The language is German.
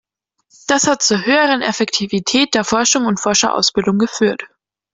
Das hat zu höherer Effektivität der Forschung und Forscherausbildung geführt.